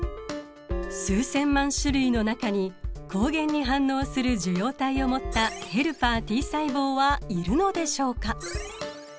数千万種類の中に抗原に反応する受容体を持ったヘルパーＴ細胞はいるのでしょうか？